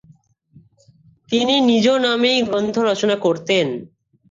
তিনি নিজ নামেই গ্রন্থ রচনা করতেন।